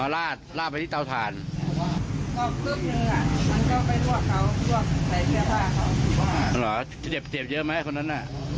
ก็ใช่สำหรับพี่เอวนะครับ